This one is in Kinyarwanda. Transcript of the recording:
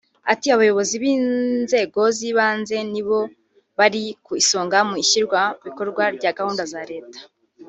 Ati “Abayobozi b’inzego z’ibanze nibo bari ku isonga mu ishyirwa mu bikorwa rya gahunda za leta